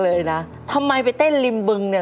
เลยนะทำไมไปเต้นริมบึงเนี่ย